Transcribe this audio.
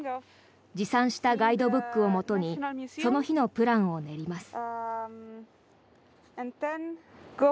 持参したガイドブックをもとにその日のプランを練ります。